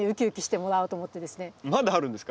まだあるんですか？